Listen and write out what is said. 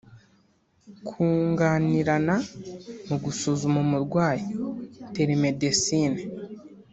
Kunganirana mu gusuzuma umurwayi (Telemedicine)